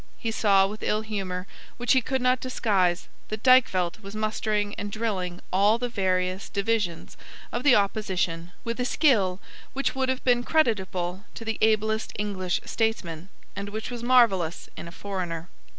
He saw, with ill humour which he could not disguise, that Dykvelt was mustering and drilling all the various divisions of the opposition with a skill which would have been creditable to the ablest English statesman, and which was marvellous in a foreigner.